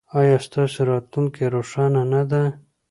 ایا ستاسو راتلونکې روښانه نه ده؟